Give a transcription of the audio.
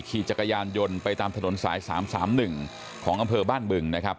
ขี่จักรยานยนต์ไปตามถนนสาย๓๓๑ของอำเภอบ้านบึงนะครับ